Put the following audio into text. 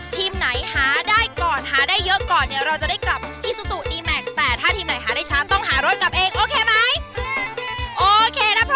ทั้งสองทีมครับ